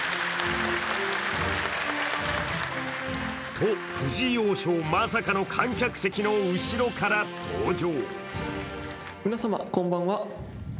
と、藤井王将、まさかの観客席の後ろから登場。